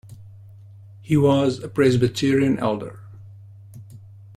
He was a Presbyterian elder.